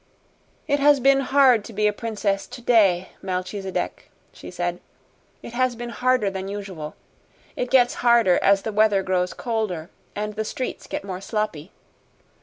"It has been hard to be a princess today, Melchisedec," she said. "It has been harder than usual. It gets harder as the weather grows colder and the streets get more sloppy.